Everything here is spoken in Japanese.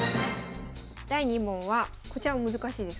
第２問はこちらも難しいです。